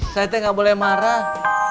sete gak boleh marah